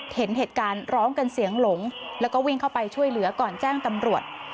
เห็นเหตุการณ์ร้องกันเสียงหลงแล้วก็วิ่งเข้าไปช่วยเหลือก่อนแจ้งตำรวจ